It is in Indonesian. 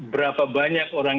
berapa banyak orang